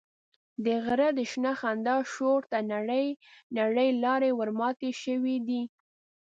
د غره د شنه خندا شور ته نرۍ نرۍ لارې ورماتې شوې دي.